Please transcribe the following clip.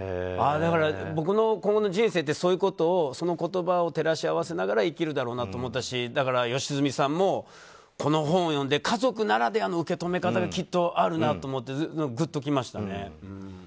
だから、僕の今後の人生ってその言葉を照らし合わせながら生きるだろうなと思ったし良純さんも、この本を読んで家族ならではの受け止め方がきっとあるなと思ってぐっときましたね。